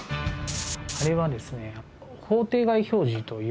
あれはですね。